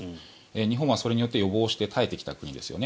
日本はそれによって予防して耐えてきた国ですよね。